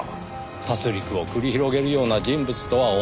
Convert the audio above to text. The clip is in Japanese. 殺戮を繰り広げるような人物とは思えないって。